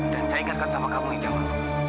dan saya ingatkan sama kamu di jaman itu